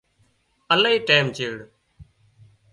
الاهي ٽيم چيڙ